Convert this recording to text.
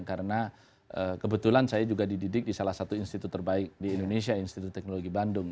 karena kebetulan saya juga dididik di salah satu institut terbaik di indonesia institut teknologi bandung